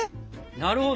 なるほど。